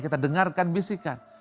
kita mendengarkan bisikan